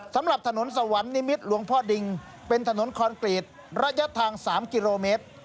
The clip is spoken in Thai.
สำหรับถนนสวรรค์นิมิตรหลวงพ่อดิงเป็นถนนคอนกรีตระยะทาง๓กิโลเมตร